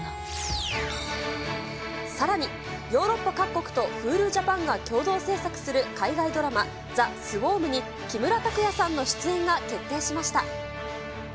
さらに、ヨーロッパ各国とＨｕｌｕＪａｐａｎが共同制作する海外ドラマ、ザ・スウォームに、木村拓哉さんの出演が決定しました。